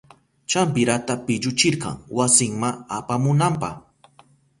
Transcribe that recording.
Champirata pilluchirka wasinma apamunanpa.